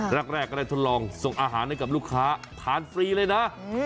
แรกก็ได้ทดลองส่งอาหารให้กับลูกค้าทานฟรีเลยนะ